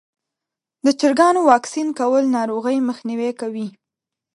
د چرګانو واکسین کول ناروغۍ مخنیوی کوي.